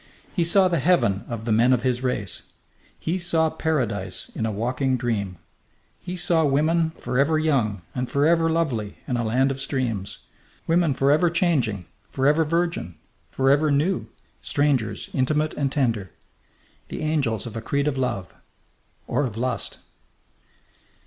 He saw the heaven of the men of his race. He saw Paradise in a walking dream. He saw women forever young and forever lovely in a land of streams, women forever changing, forever virgin, forever new; strangers intimate and tender. The angels of a creed of love or of lust!